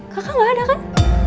kakak gak ada kan